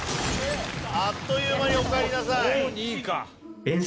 あっという間におかえりなさい。